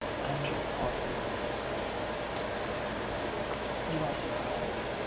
'Andekw Quaeles.' ' You are surprised